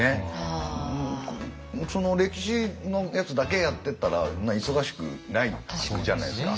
歴史のやつだけやってったらそんな忙しくないじゃないですか。